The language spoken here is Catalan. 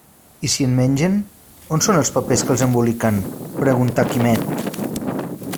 I si en mengen, on són els papers que els emboliquen? —preguntà Quimet.